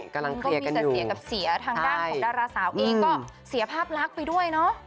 ก็มีแต่เสียกับเสียทางด้านของดาราสาวเองก็เสียภาพลักษณ์ไปด้วยเนาะ